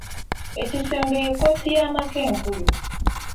Ekisenge y'ekkooti y'amaka enkulu.